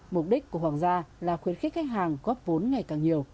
mục đích của hoàng gia là khuyến khích khách hàng góp vốn ngày càng nhiều